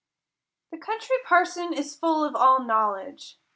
The Country Parson is full of all knowledge.